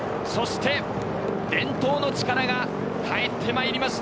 そして伝統の力が帰ってまいりました。